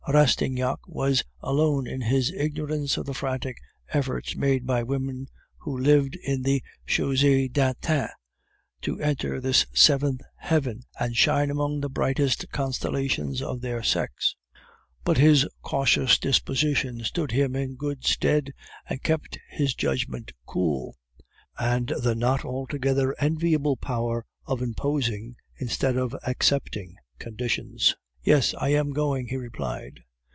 Rastignac was alone in his ignorance of the frantic efforts made by women who lived in the Chausee d'Antin to enter this seventh heaven and shine among the brightest constellations of their sex. But his cautious disposition stood him in good stead, and kept his judgment cool, and the not altogether enviable power of imposing instead of accepting conditions. "Yes, I am going," he replied.